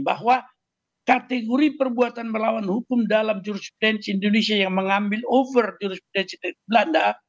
bahwa kategori perbuatan melawan hukum dalam jursidence indonesia yang mengambil over jurispensi dari belanda